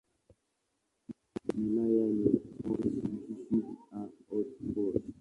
Wilaya ni Corse-du-Sud na Haute-Corse.